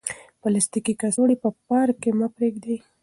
پلاستیکي کڅوړې په پارک کې مه پریږدئ.